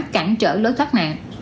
cản trở lối thoát nạn